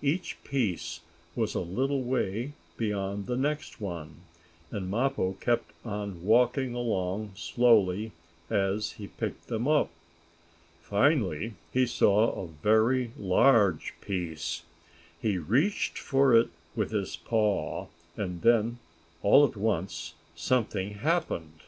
Each piece was a little way beyond the next one, and Mappo kept on walking along slowly as he picked them up. Finally he saw a very large piece. He reached for it with his paw, and then, all at once something happened.